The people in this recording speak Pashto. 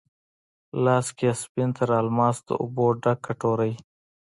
لاس کې یې سپین تر الماس، د اوبو ډک کټوری،